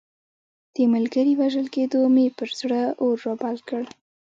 د ملګري وژل کېدو مې پر زړه اور رابل کړ.